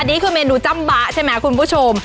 นี่คือเมนูจ้ำบ๊ะใช่ไหมคุณผู้ชม